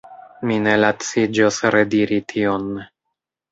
Mi ne laciĝos rediri tion.